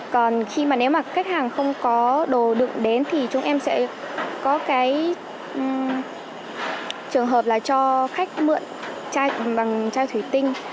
còn nếu mà khách hàng không có đồ đựng đến thì chúng em sẽ có trường hợp là cho khách mượn chai thủy tinh